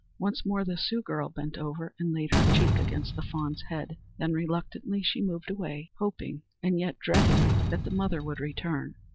Once more the Sioux girl bent over and laid her cheek against the fawn's head; then reluctantly she moved away, hoping and yet dreading that the mother would return.